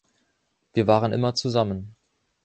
Wir waren immer zusammen.